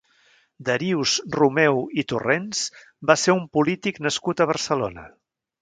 Darius Rumeu i Torrents va ser un polític nascut a Barcelona.